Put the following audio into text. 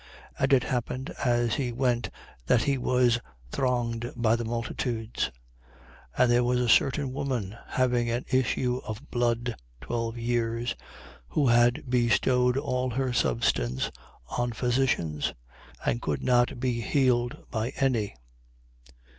And it happened as he went that he was thronged by the multitudes. 8:43. And there was a certain woman having an issue of blood twelve years, who had bestowed all her substance on physicians and could not be healed by any.